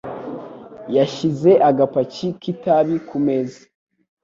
Yashyize agapaki k'itabi kumeza.